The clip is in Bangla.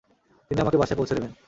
তিনি আমাকে বাসায় পৌঁছে দেবেন?